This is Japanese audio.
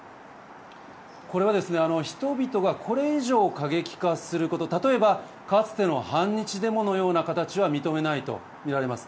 これは人々がこれ以上過激化すること例えばかつての反日デモのような形は認めないとみられます。